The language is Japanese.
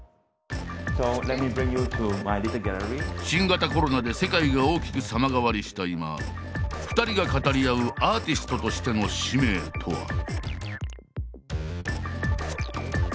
新型コロナで世界が大きく様変わりした今２人が語り合うアーティストとしての使命とは。